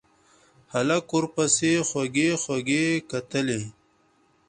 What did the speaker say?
هلک ورپسې خوږې خوږې کتلې.